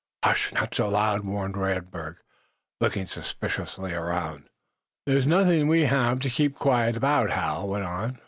"Hush! Not so loud," warned Radberg, looking suspiciously around. "There's nothing we have to keep quiet about," Hal went on.